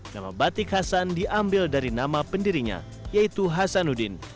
nama batik hasan diambil dari nama pendirinya yaitu hasanuddin